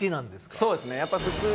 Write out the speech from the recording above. そうですね。